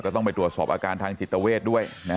ต้องไปตรวจสอบอาการทางจิตเวทด้วย